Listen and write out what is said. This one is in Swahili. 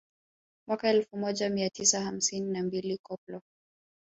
Mwaka elfu moja mia tisa hamsini na mbili Koplo